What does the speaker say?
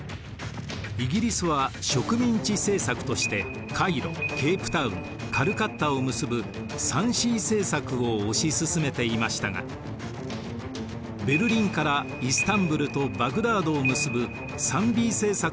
イギリスは植民地政策としてカイロケープタウンカルカッタを結ぶ３Ｃ政策を推し進めていましたがベルリンからイスタンブルとバグダードを結ぶ３Ｂ政策を進めるドイツと対立します。